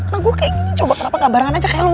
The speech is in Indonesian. loh gue kayak coba kenapa gak barengan aja kayak lo